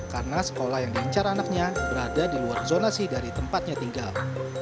karena sekolah yang diincar anaknya berada di luar zona dari tempatnya tinggal